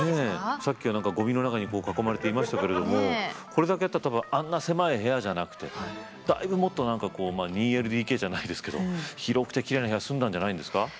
さっきは何かゴミの中に囲まれていましたけれどもこれだけあったら多分あんな狭い部屋じゃなくてだいぶもっと何かこう２ＬＤＫじゃないですけど広くてきれいな部屋住んだんじゃないんですか。